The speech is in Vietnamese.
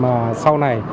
mà sau này